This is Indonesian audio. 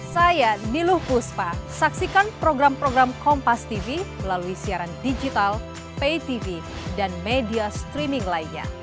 saya niluh kuspa saksikan program program kompastv melalui siaran digital paytv dan media streaming lainnya